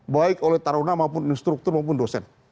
baik oleh taruna maupun instruktur maupun dosen